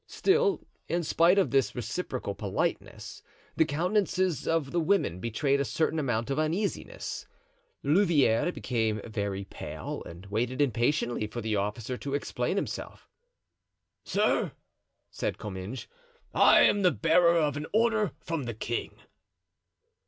Still, in spite of this reciprocal politeness, the countenances of the women betrayed a certain amount of uneasiness; Louvieres became very pale and waited impatiently for the officer to explain himself. "Sir," said Comminges, "I am the bearer of an order from the king."